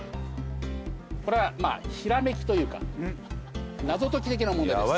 これはまあひらめきというか謎解き的な問題です。